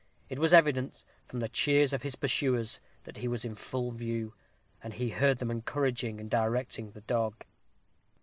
It was evident, from the cheers of his pursuers, that he was in full view, and he heard them encouraging and directing the dog.